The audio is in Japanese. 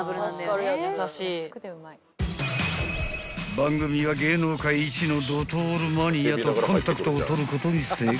［番組は芸能界一のドトールマニアとコンタクトを取ることに成功］